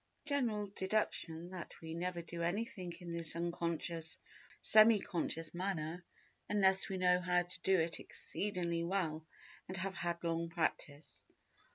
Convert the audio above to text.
General deduction that we never do anything in this unconscious or semi conscious manner unless we know how to do it exceedingly well and have had long practice.